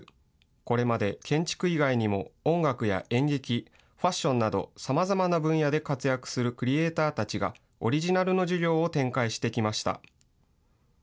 これまで建築以外にも、音楽や演劇、ファッションなど、さまざまな分野で活躍するクリエイターたちが、オリジナルの授業を展開してきました。